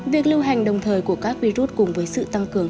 việc lưu hành đồng thời của các virus cùng với sự tăng cường